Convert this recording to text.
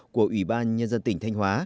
của ubnd tỉnh thanh hóa